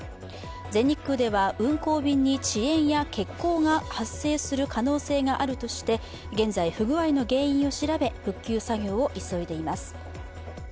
全日空では運航便に遅延や欠航が発生する可能性があるとして現在、不具合の原因を調べ復旧作業を急いでいます。